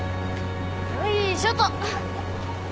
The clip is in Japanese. よいしょっと。